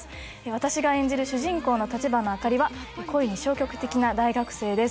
私が演じる主人公の立花あかりは恋に消極的な大学生です